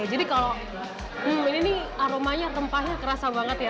jadi kalau ini aromanya rempahnya kerasa banget ya